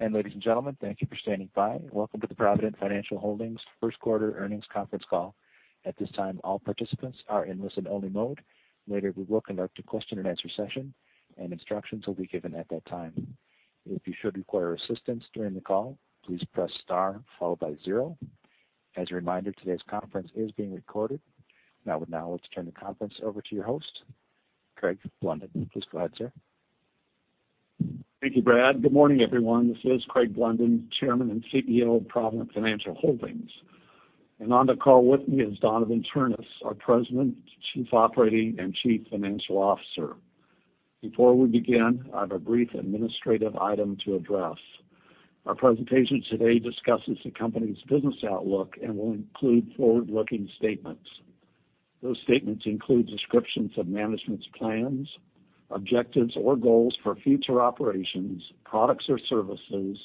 Ladies and gentlemen, thank you for standing by. Welcome to the Provident Financial Holdings first quarter earnings conference call. At this time, all participants are in listen-only mode. Later, we will conduct a question-and-answer session, and instructions will be given at that time. If you should require assistance during the call, please press star followed by zero. As a reminder, today's conference is being recorded. With no further ado, let's turn the conference over to your host, Craig Blunden. Please go ahead, sir. Thank you, Brad. Good morning, everyone. This is Craig Blunden, Chairman and CEO of Provident Financial Holdings. On the call with me is Donovan Ternes, our President, Chief Operating and Chief Financial Officer. Before we begin, I have a brief administrative item to address. Our presentation today discusses the company's business outlook and will include forward-looking statements. Those statements include descriptions of management's plans, objectives or goals for future operations, products or services,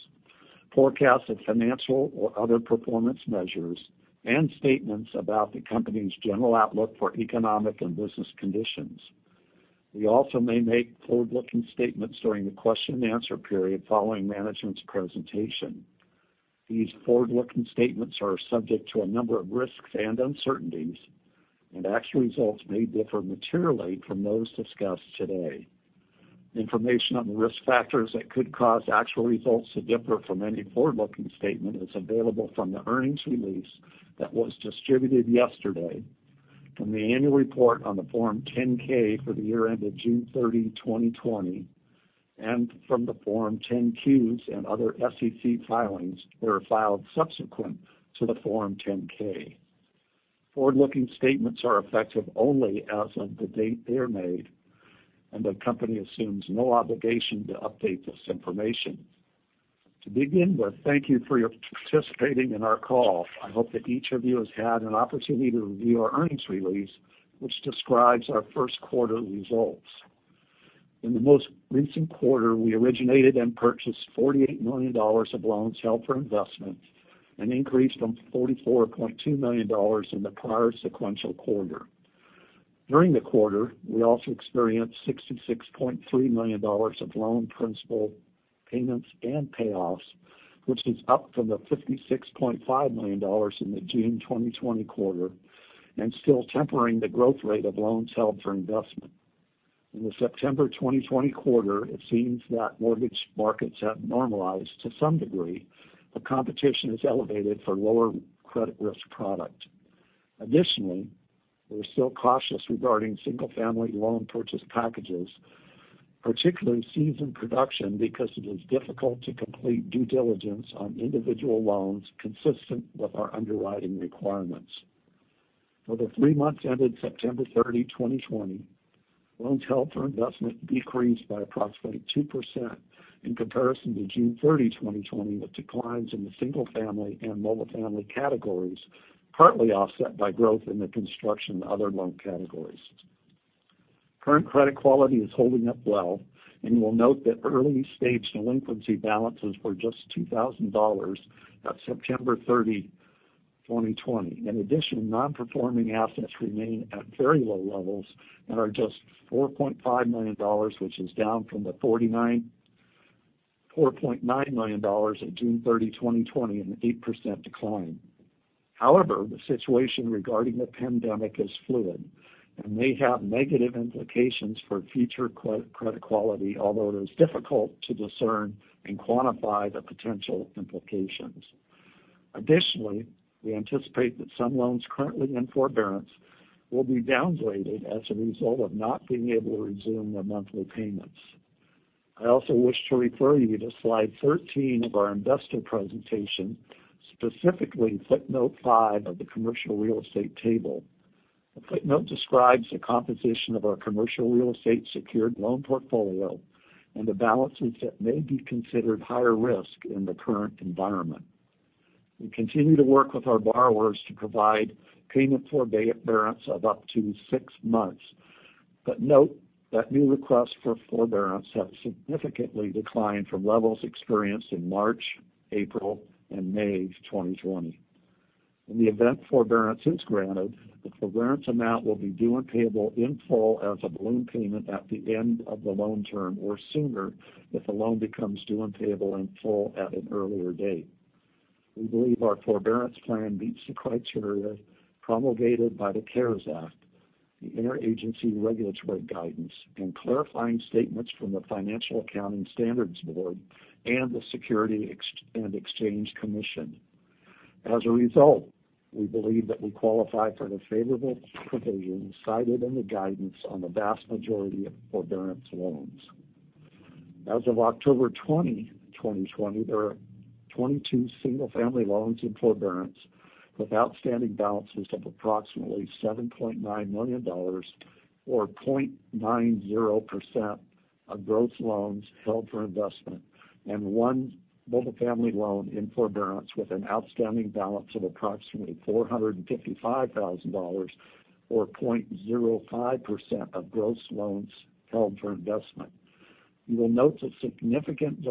forecasts of financial or other performance measures, and statements about the company's general outlook for economic and business conditions. We also may make forward-looking statements during the question-and-answer period following management's presentation. These forward-looking statements are subject to a number of risks and uncertainties, and actual results may differ materially from those discussed today. Information on the risk factors that could cause actual results to differ from any forward-looking statement is available from the earnings release that was distributed yesterday, from the annual report on the Form 10-K for the year ended June 30, 2020, and from the Form 10-Qs and other SEC filings that are filed subsequent to the Form 10-K. Forward-looking statements are effective only as of the date they are made, and the company assumes no obligation to update this information. To begin with, thank you for participating in our call. I hope that each of you has had an opportunity to review our earnings release, which describes our first quarter results. In the most recent quarter, we originated and purchased $48 million of loans held for investment, an increase from $44.2 million in the prior sequential quarter. During the quarter, we also experienced $66.3 million of loan principal payments and payoffs, which is up from the $56.5 million in the June 2020 quarter and still tempering the growth rate of loans held for investment. In the September 2020 quarter, it seems that mortgage markets have normalized to some degree, but competition is elevated for lower credit risk product. Additionally, we're still cautious regarding single-family loan purchase packages, particularly seasoned production, because it is difficult to complete due diligence on individual loans consistent with our underwriting requirements. For the three months ended September 30, 2020, loans held for investment decreased by approximately 2% in comparison to June 30, 2020, with declines in the single family and multifamily categories partly offset by growth in the construction and other loan categories. Current credit quality is holding up well. You will note that early-stage delinquency balances were just $2,000 at September 30, 2020. Non-performing assets remain at very low levels and are just $4.5 million, which is down from the $4.9 million at June 30, 2020, an 8% decline. The situation regarding the pandemic is fluid and may have negative implications for future credit quality, although it is difficult to discern and quantify the potential implications. We anticipate that some loans currently in forbearance will be downgraded as a result of not being able to resume their monthly payments. I also wish to refer you to slide 13 of our investor presentation, specifically footnote five of the commercial real estate table. The footnote describes the composition of our commercial real estate secured loan portfolio and the balances that may be considered higher risk in the current environment. We continue to work with our borrowers to provide payment forbearance of up to six months, but note that new requests for forbearance have significantly declined from levels experienced in March, April, and May of 2020. In the event forbearance is granted, the forbearance amount will be due and payable in full as a balloon payment at the end of the loan term or sooner if the loan becomes due and payable in full at an earlier date. We believe our forbearance plan meets the criteria promulgated by the CARES Act, the Interagency Regulatory Guidance, and clarifying statements from the Financial Accounting Standards Board and the Securities and Exchange Commission. As a result, we believe that we qualify for the favorable provisions cited in the guidance on the vast majority of forbearance loans. As of October 20, 2020, there are 22 single-family loans in forbearance with outstanding balances of approximately $7.9 million, or 0.90% of gross loans held for investment, and one multifamily loan in forbearance with an outstanding balance of approximately $455,000, or 0.05% of gross loans held for investment. You will note the significant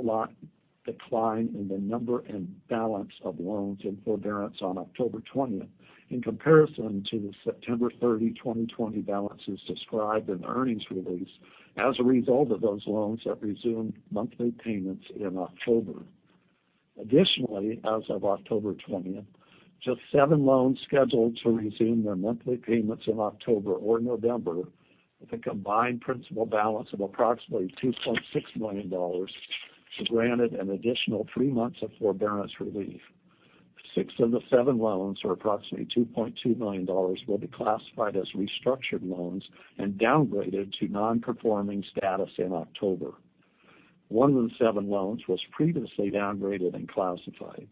decline in the number and balance of loans in forbearance on October 20th in comparison to the September 30, 2020 balances described in the earnings release as a result of those loans that resumed monthly payments in October. Additionally, as of October 20th, just seven loans scheduled to resume their monthly payments in October or November, with a combined principal balance of approximately $2.6 million, were granted an additional three months of forbearance relief. Six of the seven loans, or approximately $2.2 million, will be classified as restructured loans and downgraded to non-performing status in October. One of the seven loans was previously downgraded and classified.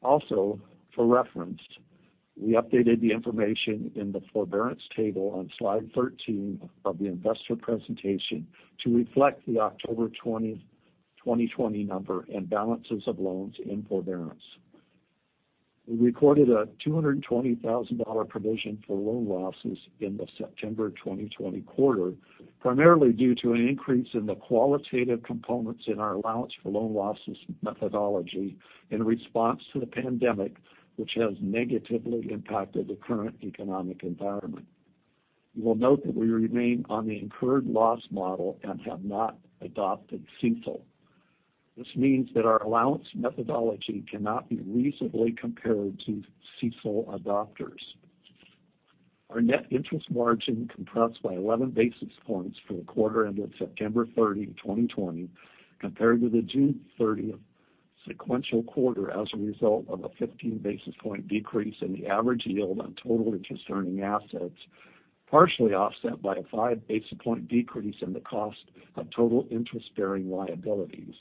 For reference, we updated the information in the forbearance table on slide 13 of the investor presentation to reflect the October 20, 2020, number and balances of loans in forbearance. We recorded a $220,000 provision for loan losses in the September 2020 quarter, primarily due to an increase in the qualitative components in our allowance for loan losses methodology in response to the pandemic, which has negatively impacted the current economic environment. You will note that we remain on the incurred loss model and have not adopted CECL. This means that our allowance methodology cannot be reasonably compared to CECL adopters. Our net interest margin compressed by 11 basis points for the quarter ended September 30, 2020, compared to the June 30 sequential quarter as a result of a 15 basis point decrease in the average yield on total interest-earning assets, partially offset by a 5 basis point decrease in the cost of total interest-bearing liabilities.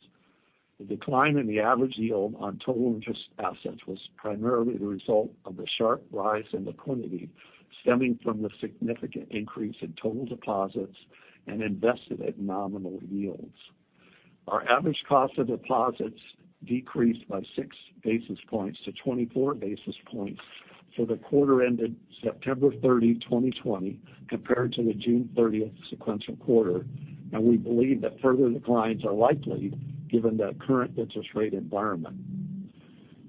The decline in the average yield on total interest assets was primarily the result of the sharp rise in liquidity stemming from the significant increase in total deposits and invested at nominal yields. Our average cost of deposits decreased by 6 basis points to 24 basis points for the quarter ended September 30, 2020, compared to the June 30th sequential quarter, and we believe that further declines are likely given the current interest rate environment.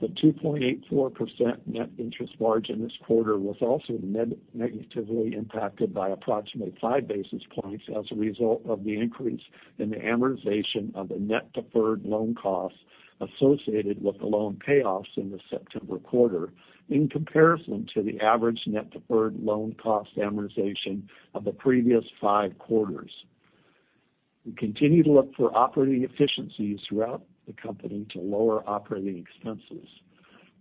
The 2.84% net interest margin this quarter was also negatively impacted by approximately 5 basis points as a result of the increase in the amortization of the net deferred loan costs associated with the loan payoffs in the September quarter in comparison to the average net deferred loan cost amortization of the previous five quarters. We continue to look for operating efficiencies throughout the company to lower operating expenses.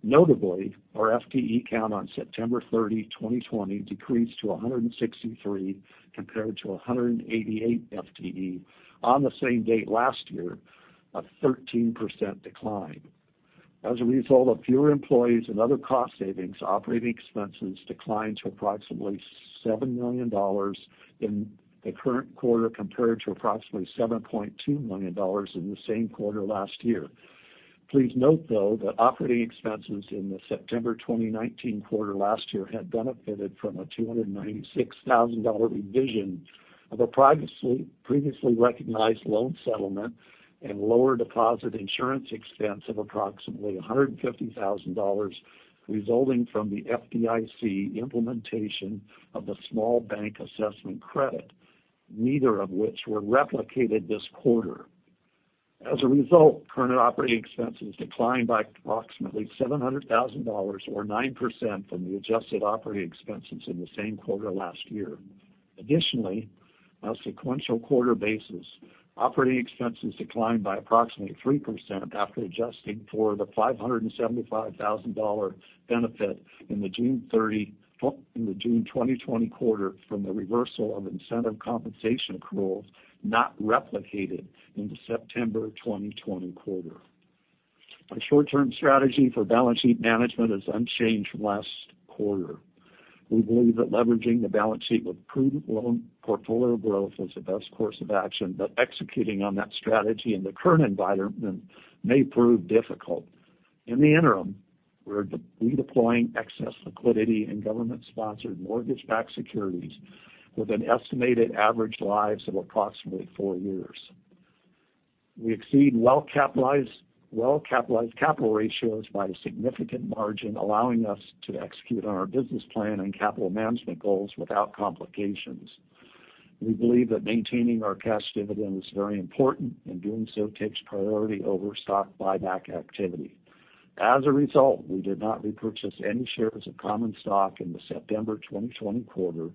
Notably, our FTE count on September 30, 2020, decreased to 163 compared to 188 FTE on the same date last year, a 13% decline. As a result of fewer employees and other cost savings, operating expenses declined to approximately $7 million in the current quarter, compared to approximately $7.2 million in the same quarter last year. Please note, though, that operating expenses in the September 2019 quarter last year had benefited from a $296,000 revision of a previously recognized loan settlement and lower deposit insurance expense of approximately $150,000, resulting from the FDIC implementation of the small bank assessment credit, neither of which were replicated this quarter. As a result, current operating expenses declined by approximately $700,000, or 9%, from the adjusted operating expenses in the same quarter last year. Additionally, on a sequential quarter basis, operating expenses declined by approximately 3% after adjusting for the $575,000 benefit in the June 2020 quarter from the reversal of incentive compensation accruals not replicated in the September 2020 quarter. Our short-term strategy for balance sheet management is unchanged from last quarter. We believe that leveraging the balance sheet with prudent loan portfolio growth is the best course of action, but executing on that strategy in the current environment may prove difficult. In the interim, we're redeploying excess liquidity and government-sponsored mortgage-backed securities with an estimated average lives of approximately four years. We exceed well-capitalized capital ratios by a significant margin, allowing us to execute on our business plan and capital management goals without complications. We believe that maintaining our cash dividend is very important, and doing so takes priority over stock buyback activity. As a result, we did not repurchase any shares of common stock in the September 2020 quarter.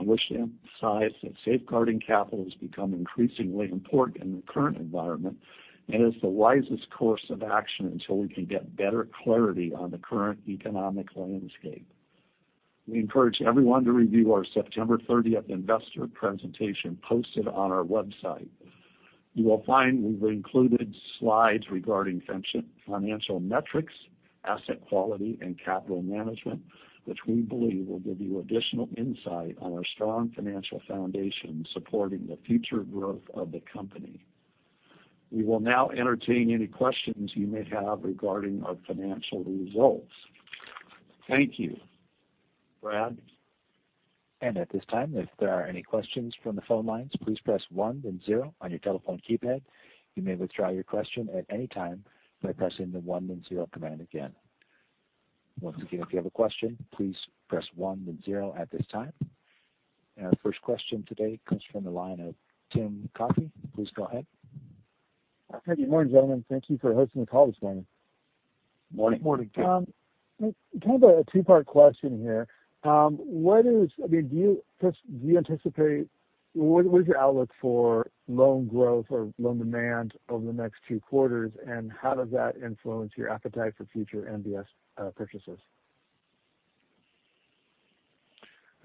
I wish to emphasize that safeguarding capital has become increasingly important in the current environment and is the wisest course of action until we can get better clarity on the current economic landscape. We encourage everyone to review our September 30th investor presentation posted on our website. You will find we've included slides regarding financial metrics, asset quality, and capital management, which we believe will give you additional insight on our strong financial foundation supporting the future growth of the company. We will now entertain any questions you may have regarding our financial results. Thank you. Brad? At this time, if there are any questions from the phone lines, please press one then zero on your telephone keypad. You may withdraw your question at any time by pressing the one then zero command again. Once again, if you have a question, please press one then zero at this time. Our first question today comes from the line of Tim Coffey. Please go ahead. Good morning, gentlemen. Thank you for hosting the call this morning. Morning. Morning. Kind of a two-part question here. What is your outlook for loan growth or loan demand over the next two quarters, and how does that influence your appetite for future MBS purchases?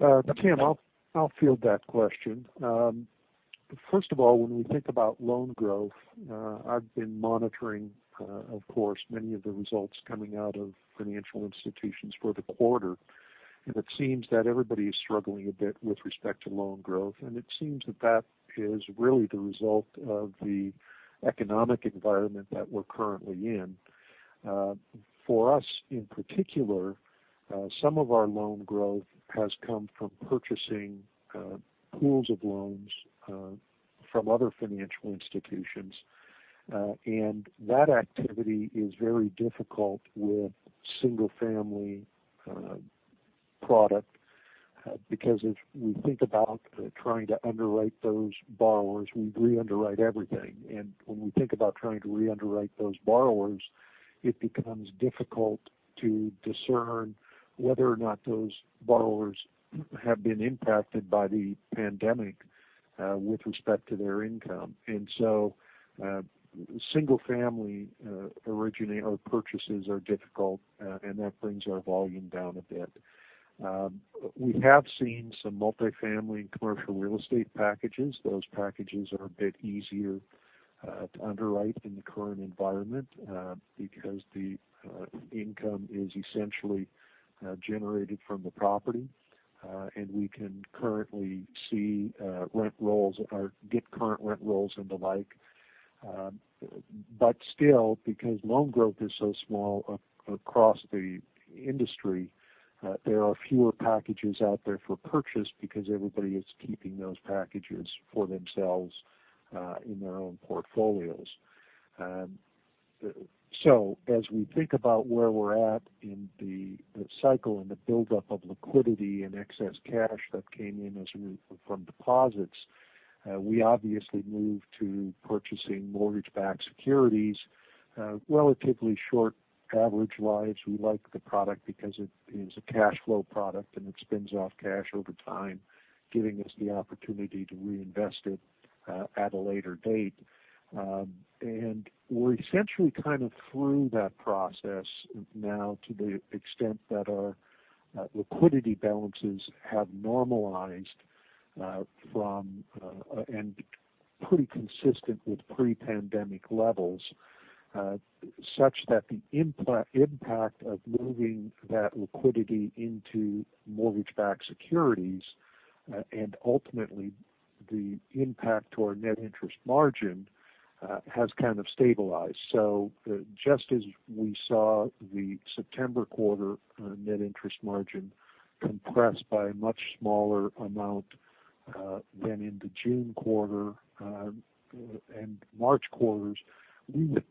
Tim, I'll field that question. First of all, when we think about loan growth, I've been monitoring, of course, many of the results coming out of financial institutions for the quarter. It seems that everybody is struggling a bit with respect to loan growth. It seems that that is really the result of the economic environment that we're currently in. For us, in particular, some of our loan growth has come from purchasing pools of loans from other financial institutions. That activity is very difficult with single-family product, because as we think about trying to underwrite those borrowers, we re-underwrite everything. When we think about trying to re-underwrite those borrowers, it becomes difficult to discern whether or not those borrowers have been impacted by the pandemic with respect to their income. So single-family purchases are difficult, and that brings our volume down a bit. We have seen some multi-family and commercial real estate packages. Those packages are a bit easier to underwrite in the current environment because the income is essentially generated from the property. We can currently see rent rolls or get current rent rolls and the like. Still, because loan growth is so small across the industry, there are fewer packages out there for purchase because everybody is keeping those packages for themselves in their own portfolios. As we think about where we're at in the cycle and the buildup of liquidity and excess cash that came in as from deposits, we obviously moved to purchasing mortgage-backed securities, relatively short average lives. We like the product because it is a cash flow product, and it spins off cash over time, giving us the opportunity to reinvest it at a later date. We're essentially kind of through that process now to the extent that our liquidity balances have normalized from and pretty consistent with pre-pandemic levels, such that the impact of moving that liquidity into mortgage-backed securities and ultimately the impact to our net interest margin has kind of stabilized. Just as we saw the September quarter net interest margin compressed by a much smaller amount than in the June quarter and March quarters, we would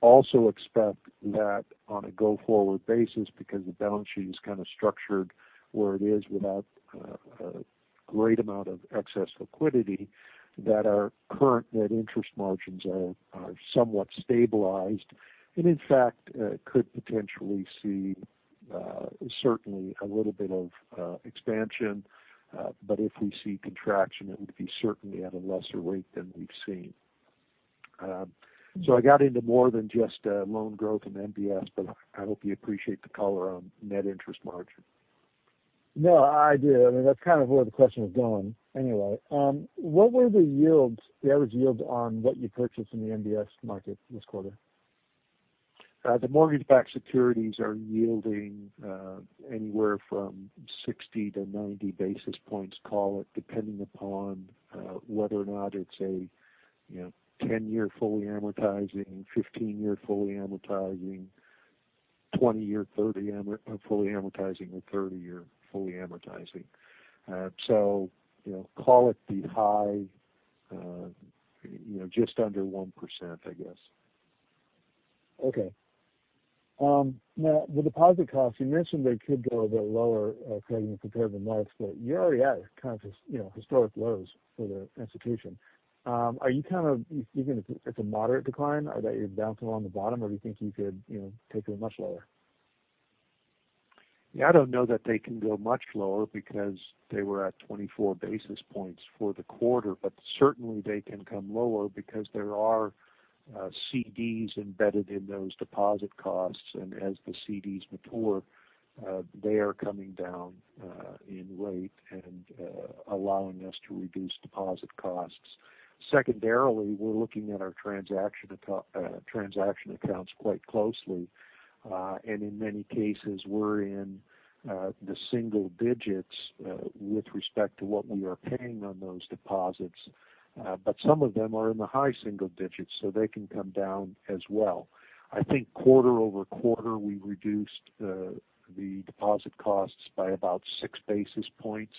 also expect that on a go-forward basis because the balance sheet is kind of structured where it is without a great amount of excess liquidity that our current net interest margins are somewhat stabilized and, in fact, could potentially see certainly a little bit of expansion. If we see contraction, it would be certainly at a lesser rate than we've seen. I got into more than just loan growth and MBS, but I hope you appreciate the color on net interest margin. No, I do. That's kind of where the question was going anyway. What were the average yields on what you purchased in the MBS market this quarter? The mortgage-backed securities are yielding anywhere from 60 to 90 basis points, call it, depending upon whether or not it's a 10-year fully amortizing, 15-year fully amortizing, 20-year fully amortizing, or 30-year fully amortizing. Call it the high just under 1%, I guess. Okay. The deposit costs, you mentioned they could go a bit lower, Craig, compared to last quarter. You're already at kind of historic lows for the institution. Are you kind of even if it's a moderate decline, are they bouncing along the bottom, or do you think you could take it much lower? Yeah, I don't know that they can go much lower because they were at 24 basis points for the quarter. Certainly, they can come lower because there are CDs embedded in those deposit costs, and as the CDs mature, they are coming down in rate and allowing us to reduce deposit costs. Secondarily, we're looking at our transaction accounts quite closely. In many cases, we're in the single digits with respect to what we are paying on those deposits. Some of them are in the high single digits, so they can come down as well. I think quarter-over-quarter, we reduced the deposit costs by about 6 basis points.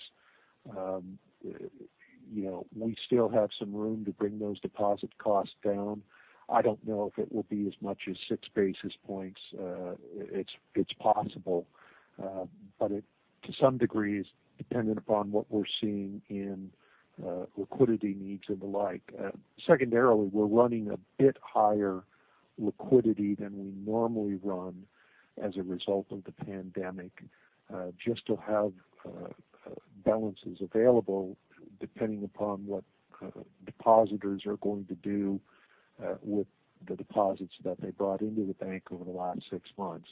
We still have some room to bring those deposit costs down. I don't know if it will be as much as 6 basis points. It's possible, but it, to some degree, is dependent upon what we're seeing in liquidity needs and the like. Secondarily, we're running a bit higher liquidity than we normally run as a result of the pandemic, just to have balances available depending upon what depositors are going to do with the deposits that they brought into the bank over the last six months.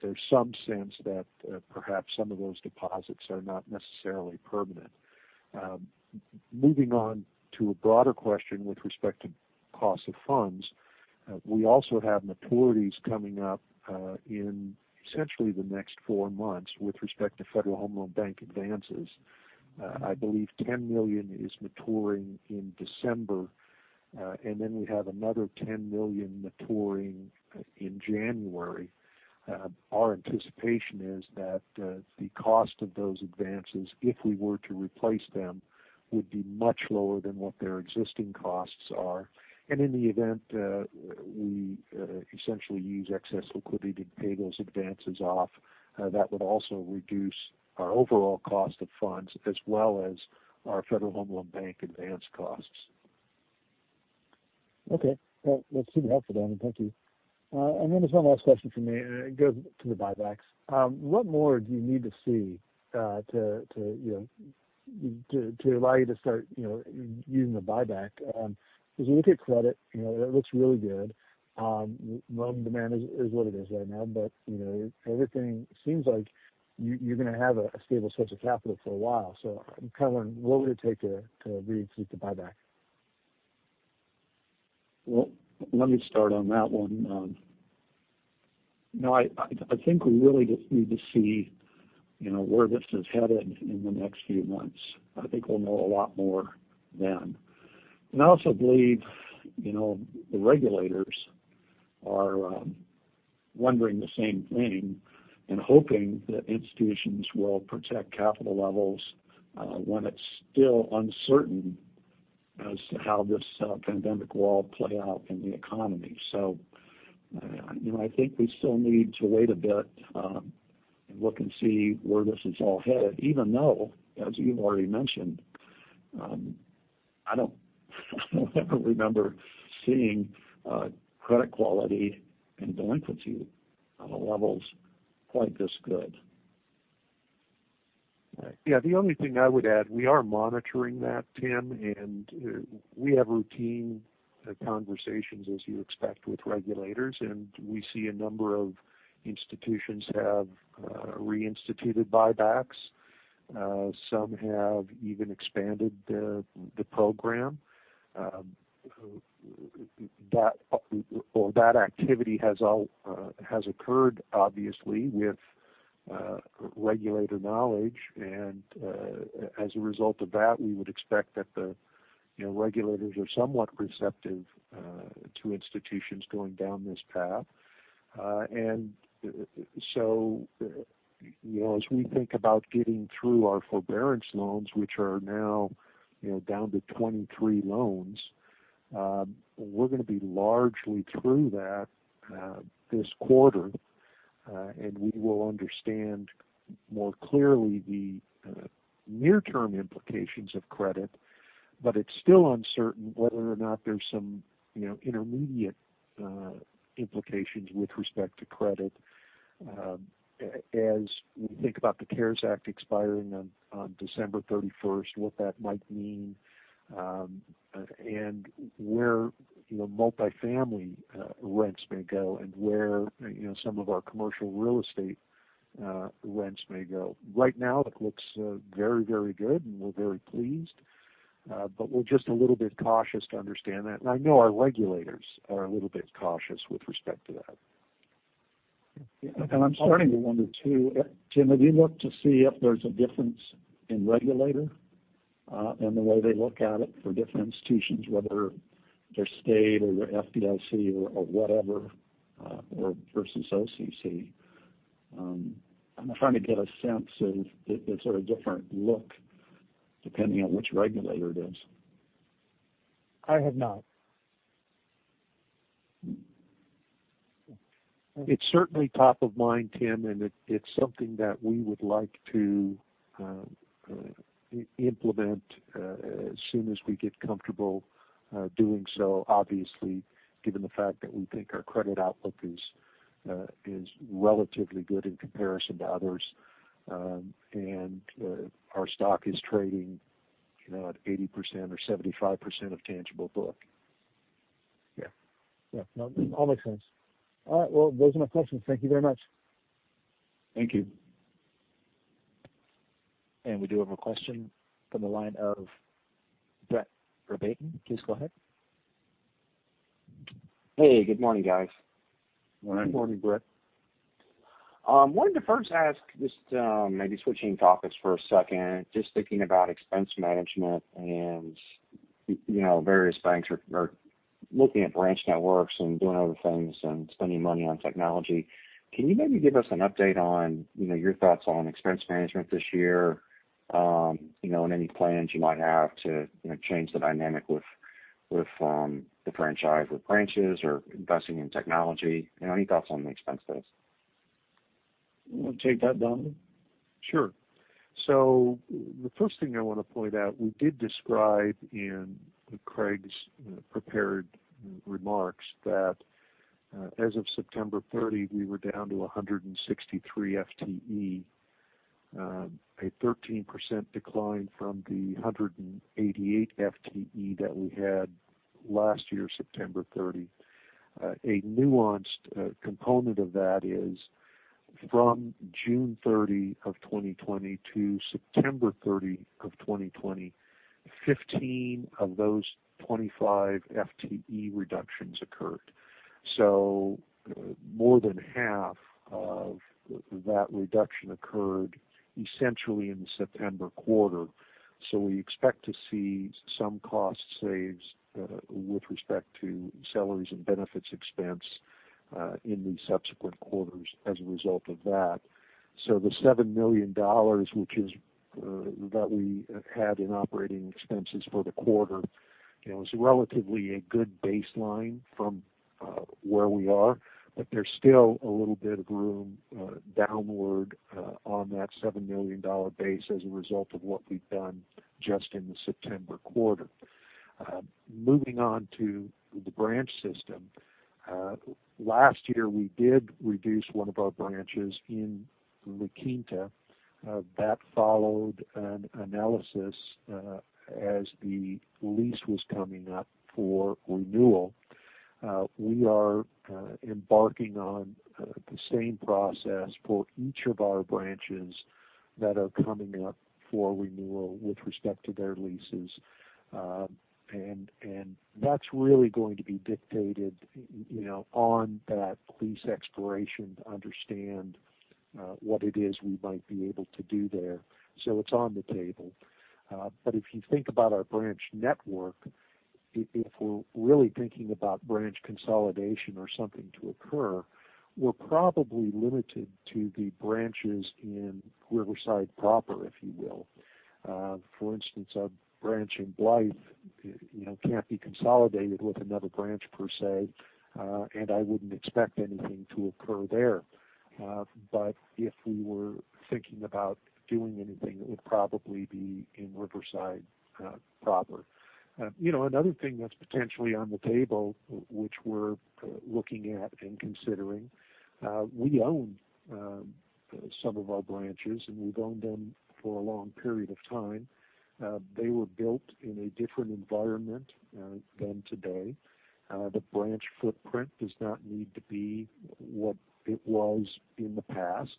There's some sense that perhaps some of those deposits are not necessarily permanent. Moving on to a broader question with respect to cost of funds, we also have maturities coming up in essentially the next four months with respect to Federal Home Loan Bank advances. I believe $10 million is maturing in December, and then we have another $10 million maturing in January. Our anticipation is that the cost of those advances, if we were to replace them, would be much lower than what their existing costs are. In the event we essentially use excess liquidity to pay those advances off, that would also reduce our overall cost of funds as well as our Federal Home Loan Bank advance costs. Okay. Well, that's super helpful, Don, and thank you. There's one last question from me, and it goes to the buybacks. What more do you need to see to allow you to start using the buyback? Because you look at credit, it looks really good. Loan demand is what it is right now, but everything seems like you're going to have a stable source of capital for a while. I'm kind of wondering, what would it take to re-institute the buyback? Well, let me start on that one. I think we really just need to see where this is headed in the next few months. I think we'll know a lot more then. I also believe the regulators are wondering the same thing and hoping that institutions will protect capital levels when it's still uncertain as to how this pandemic will all play out in the economy. I think we still need to wait a bit and look and see where this is all headed, even though, as you've already mentioned, I don't ever remember seeing credit quality and delinquency levels quite this good. Yeah, the only thing I would add, we are monitoring that, Tim, and we have routine conversations, as you expect, with regulators, and we see a number of institutions have reinstituted buybacks. Some have even expanded the program. That activity has occurred, obviously, with regulator knowledge. As a result of that, we would expect that the regulators are somewhat receptive to institutions going down this path. As we think about getting through our forbearance loans, which are now down to 23 loans, we're going to be largely through that this quarter. We will understand more clearly the near-term implications of credit, but it's still uncertain whether or not there's some intermediate implications with respect to credit. As we think about the CARES Act expiring on December 31st, what that might mean, and where multifamily rents may go and where some of our commercial real estate rents may go. Right now, it looks very good, and we're very pleased. We're just a little bit cautious to understand that, and I know our regulators are a little bit cautious with respect to that. I'm starting to wonder, too, Tim, have you looked to see if there's a difference in regulator and the way they look at it for different institutions, whether they're state or FDIC or whatever, or versus OCC? I'm trying to get a sense of is there a different look depending on which regulator it is. I have not. It's certainly top of mind, Tim, it's something that we would like to implement as soon as we get comfortable doing so, obviously, given the fact that we think our credit outlook is relatively good in comparison to others, and our stock is trading at 80% or 75% of tangible book. Yeah. All makes sense. All right, well, those are my questions. Thank you very much. Thank you. We do have a question from the line of Brett Rabatin. Please go ahead. Hey, good morning, guys. Morning. Good morning, Brett. Wanted to first ask, just maybe switching topics for a second, just thinking about expense management and various banks are looking at branch networks and doing other things and spending money on technology. Can you maybe give us an update on your thoughts on expense management this year, and any plans you might have to change the dynamic with the franchise, with branches, or investing in technology? Any thoughts on the expense base? You want to take that, Don? Sure. The first thing I want to point out, we did describe in Craig's prepared remarks that as of September 30, we were down to 163 FTE. A 13% decline from the 188 FTE that we had last year, September 30. A nuanced component of that is from June 30, 2020 to September 30, 2020, 15 of those 25 FTE reductions occurred. More than half of that reduction occurred essentially in the September quarter. We expect to see some cost saves with respect to salaries and benefits expense in the subsequent quarters as a result of that. The $7 million that we had in operating expenses for the quarter is relatively a good baseline from where we are. There's still a little bit of room downward on that $7 million base as a result of what we've done just in the September quarter. Moving on to the branch system. Last year, we did reduce one of our branches in La Quinta. That followed an analysis as the lease was coming up for renewal. We are embarking on the same process for each of our branches that are coming up for renewal with respect to their leases. That's really going to be dictated on that lease expiration to understand what it is we might be able to do there. It's on the table. If you think about our branch network, if we're really thinking about branch consolidation or something to occur, we're probably limited to the branches in Riverside proper, if you will. For instance, our branch in Blythe can't be consolidated with another branch per se. I wouldn't expect anything to occur there. If we were thinking about doing anything, it would probably be in Riverside proper. Another thing that's potentially on the table, which we're looking at and considering, we own some of our branches, and we've owned them for a long period of time. They were built in a different environment than today. The branch footprint does not need to be what it was in the past.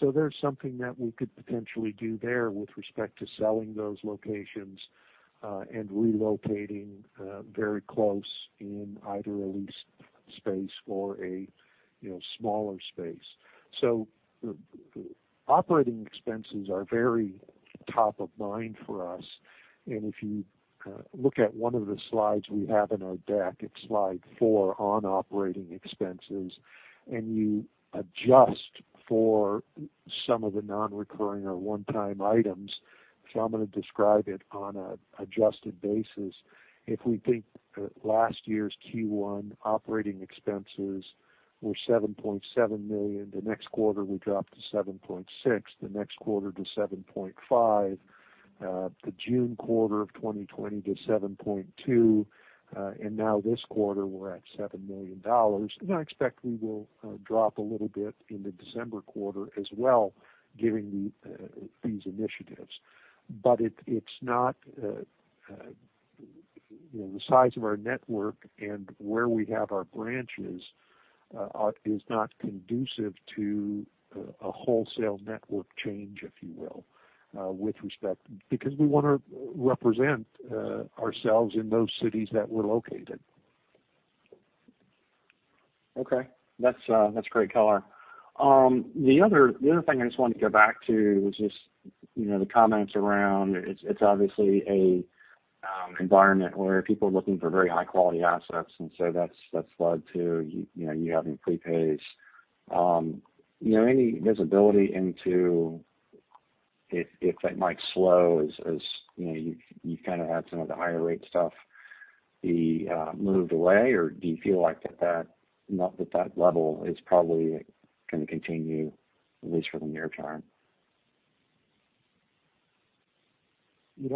There's something that we could potentially do there with respect to selling those locations and relocating very close in either a leased space or a smaller space. Operating expenses are very top of mind for us. If you look at one of the slides we have in our deck, it's slide four on operating expenses, and you adjust for some of the non-recurring or one-time items. I'm going to describe it on an adjusted basis. If we think last year's Q1 operating expenses were $7.7 million, the next quarter we dropped to $7.6 million, the next quarter to $7.5 million. The June quarter of 2020 to $7.2 million. Now this quarter, we're at $7 million. I expect we will drop a little bit in the December quarter as well, given these initiatives. The size of our network and where we have our branches is not conducive to a wholesale network change, if you will, with respect. We want to represent ourselves in those cities that we're located. Okay. That's great color. The other thing I just wanted to go back to was just the comments around, it's obviously an environment where people are looking for very high-quality assets, and so that's led to you having prepays. Any visibility into if that might slow as you've kind of had some of the higher rate stuff be moved away? Do you feel like that level is probably going to continue, at least for the near term?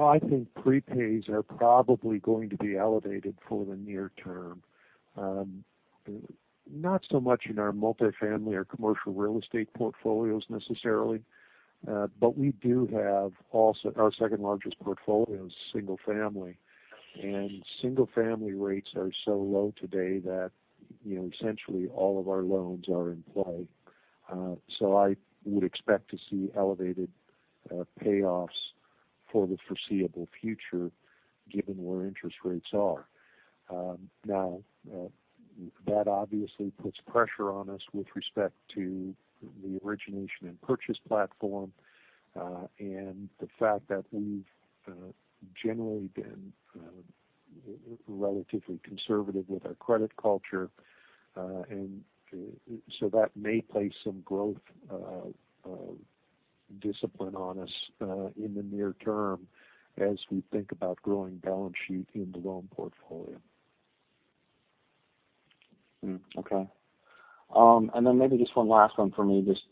I think prepays are probably going to be elevated for the near term. Not so much in our multifamily or commercial real estate portfolios necessarily. We do have also our second largest portfolio is single family. Single family rates are so low today that essentially all of our loans are in play. I would expect to see elevated payoffs for the foreseeable future given where interest rates are. Now, that obviously puts pressure on us with respect to the origination and purchase platform, and the fact that we've generally been relatively conservative with our credit culture. That may place some growth discipline on us in the near term as we think about growing balance sheet in the loan portfolio. Okay. Maybe just one last one for me, just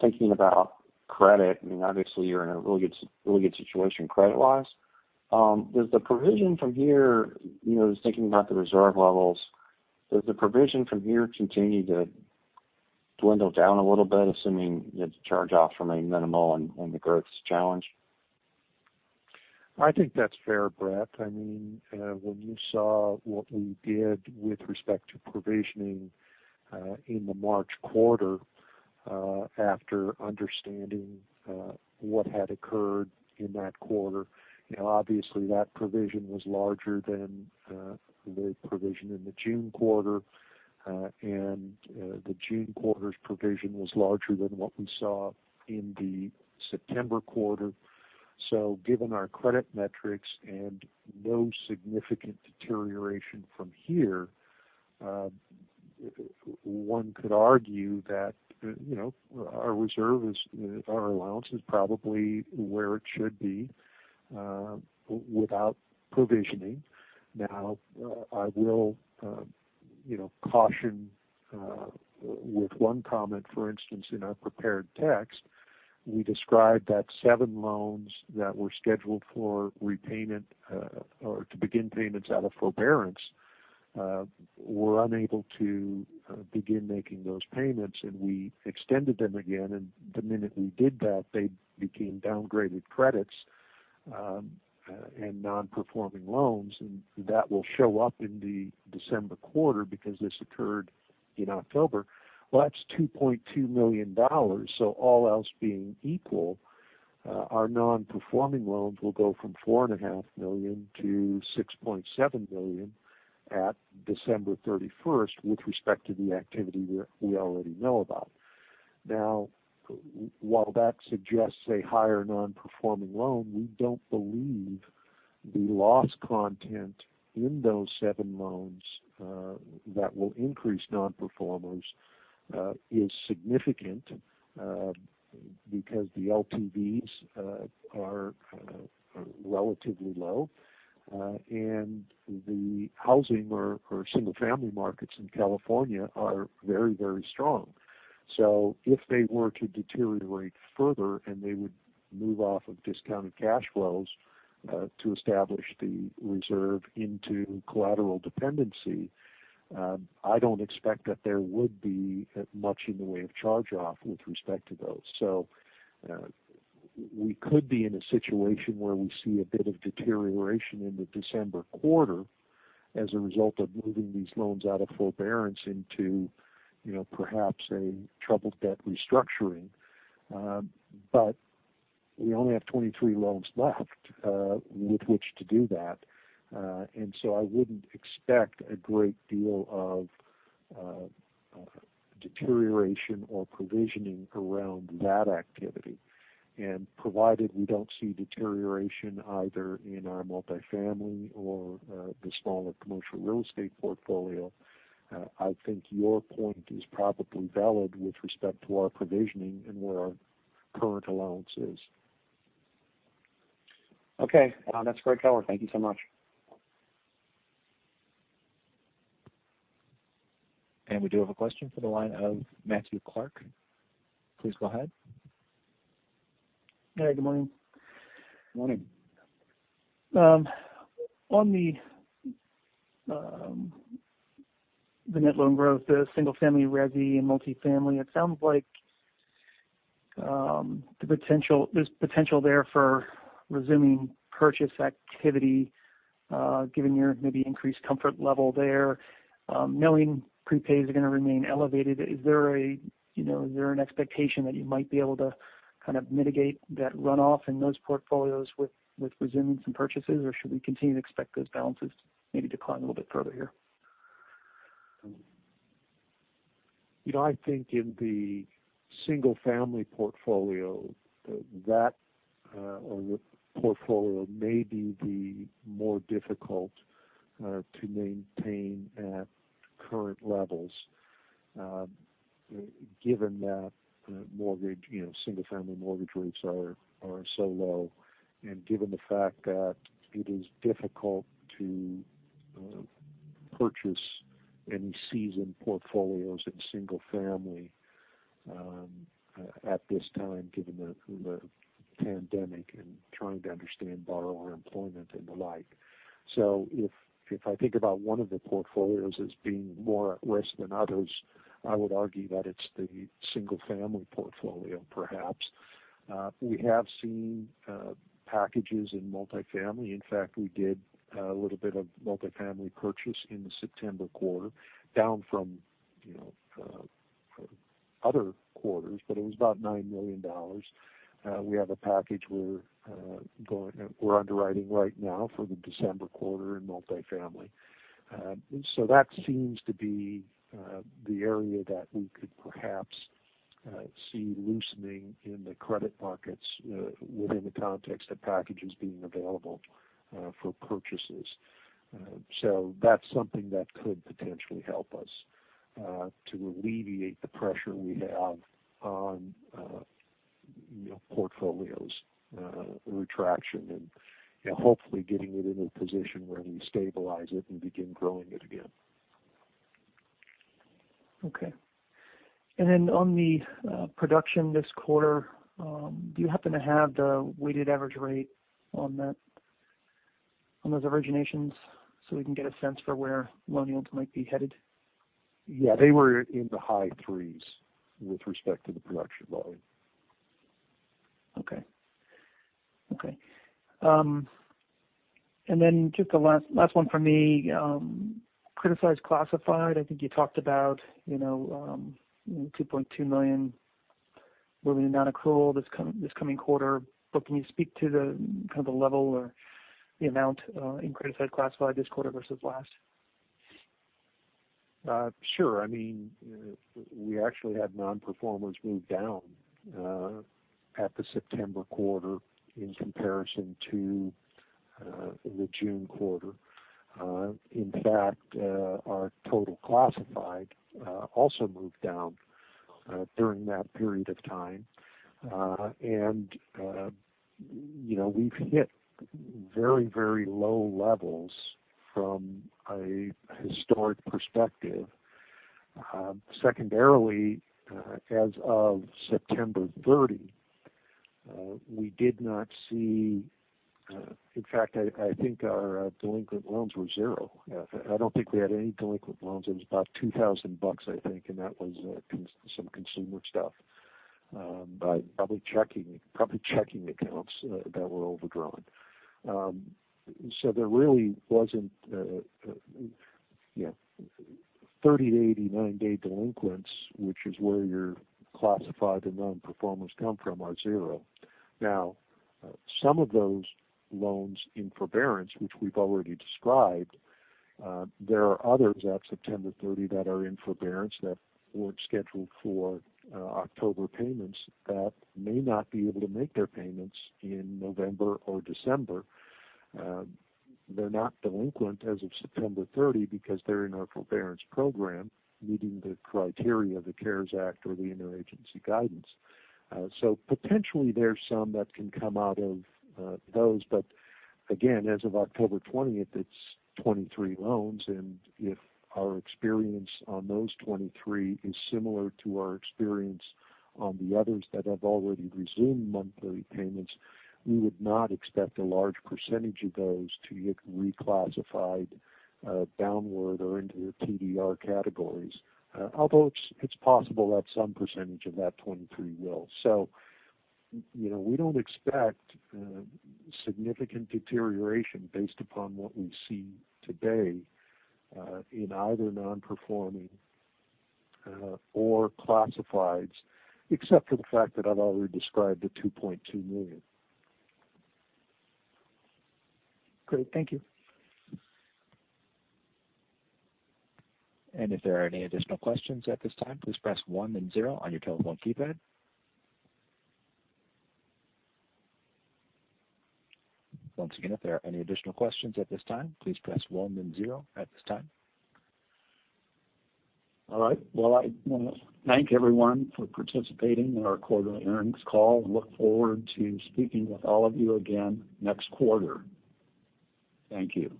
thinking about credit. Obviously you're in a really good situation credit-wise. Just thinking about the reserve levels, does the provision from here continue to dwindle down a little bit, assuming the charge-offs remain minimal and the growth is challenged? I think that's fair, Brett. When you saw what we did with respect to provisioning in the March quarter, after understanding what had occurred in that quarter. Now, obviously, that provision was larger than the provision in the June quarter. The June quarter's provision was larger than what we saw in the September quarter. Given our credit metrics and no significant deterioration from here, one could argue that our allowance is probably where it should be without provisioning. Now, I will caution with one comment. For instance, in our prepared text, we described that seven loans that were scheduled for repayment or to begin payments out of forbearance were unable to begin making those payments, and we extended them again. The minute we did that, they became downgraded credits and non-performing loans. That will show up in the December quarter because this occurred in October. Well, that's $2.2 million. All else being equal, our non-performing loans will go from $4.5 million to $6.7 million at December 31st with respect to the activity we already know about. Now, while that suggests a higher non-performing loan, we don't believe the loss content in those seven loans that will increase non-performers is significant because the LTVs are relatively low, and the housing or single-family markets in California are very, very strong. If they were to deteriorate further, and they would move off of discounted cash flows to establish the reserve into collateral dependency, I don't expect that there would be much in the way of charge-off with respect to those. We could be in a situation where we see a bit of deterioration in the December quarter as a result of moving these loans out of forbearance into perhaps a troubled debt restructuring. We only have 23 loans left with which to do that. I wouldn't expect a great deal of deterioration or provisioning around that activity. Provided we don't see deterioration either in our multi-family or the smaller commercial real estate portfolio, I think your point is probably valid with respect to our provisioning and where our current allowance is. Okay. That's great color. Thank you so much. We do have a question for the line of Matthew Clark. Please go ahead. Hey, good morning. Morning. On the net loan growth, the single family resi and multi-family, it sounds like there's potential there for resuming purchase activity given your maybe increased comfort level there. Knowing prepays are going to remain elevated, is there an expectation that you might be able to kind of mitigate that runoff in those portfolios with resuming some purchases, or should we continue to expect those balances maybe decline a little bit further here? I think in the single-family portfolio, that portfolio may be the more difficult to maintain at current levels given that single-family mortgage rates are so low and given the fact that it is difficult to purchase any seasoned portfolios in single family at this time, given the pandemic and trying to understand borrower employment and the like. If I think about one of the portfolios as being more at risk than others, I would argue that it's the single-family portfolio, perhaps. We have seen packages in multi-family. In fact, we did a little bit of multi-family purchase in the September quarter, down from other quarters, but it was about $9 million. We have a package we're underwriting right now for the December quarter in multi-family. That seems to be the area that we could perhaps see loosening in the credit markets within the context of packages being available for purchases. That's something that could potentially help us to alleviate the pressure we have on portfolios retraction and hopefully getting it in a position where we stabilize it and begin growing it again. Okay. On the production this quarter, do you happen to have the weighted average rate on those originations so we can get a sense for where loan yields might be headed? Yeah, they were in the high threes with respect to the production volume. Okay. Just the last one from me, criticized classified, I think you talked about $2.2 million moving to non-accrual this coming quarter, can you speak to the kind of the level or the amount in criticized classified this quarter versus last? Sure. We actually had non-performers move down at the September quarter in comparison to the June quarter. In fact, our total classified also moved down during that period of time. And we've hit very low levels from a historic perspective. Secondarily, as of September 30, in fact, I think our delinquent loans were zero. I don't think we had any delinquent loans. It was about $2,000, I think, and that was some consumer stuff by probably checking accounts that were overdrawn. So there really wasn't 30 to 89 day delinquents, which is where your classified and non-performers come from, are zero. Now, some of those loans in forbearance, which we've already described, there are others at September 30 that are in forbearance that were scheduled for October payments that may not be able to make their payments in November or December. They're not delinquent as of September 30 because they're in our forbearance program, meeting the criteria of the CARES Act or the Interagency Regulatory Guidance. Potentially there are some that can come out of those. Again, as of October 20th, it's 23 loans, and if our experience on those 23 is similar to our experience on the others that have already resumed monthly payments, we would not expect a large percentage of those to get reclassified downward or into the TDR categories. Although it's possible that some percentage of that 23 will. We don't expect significant deterioration based upon what we see today in either non-performing or classifieds, except for the fact that I've already described the $2.2 million. Great. Thank you. And if there are any additional questions at this time, please press one then zero on your telephone keypad. Once again, if there are any additional questions at this time, please press one then zero at this time. All right. I want to thank everyone for participating in our quarterly earnings call and look forward to speaking with all of you again next quarter. Thank you.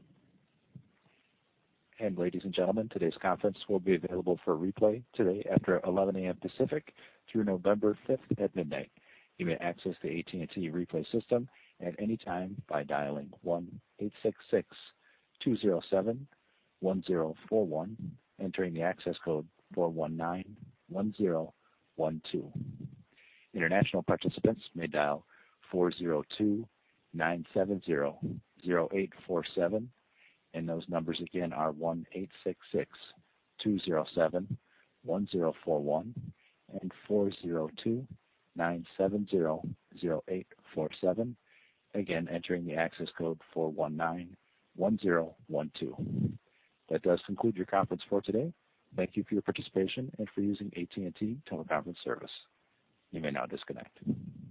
And ladies and gentlemen, today's conference will be available for replay today after 11:00AM Pacific through November 5th at midnight. You may access the AT&T replay system at any time by dialing 1-866-207-1041, entering the access code 4191012. International participants may dial 402-970-0847, and those numbers again are 1-866-207-1041 and 402-970-0847. Again, entering the access code 4191012. That does conclude your conference for today. Thank you for your participation and for using AT&T teleconference service. You may now disconnect.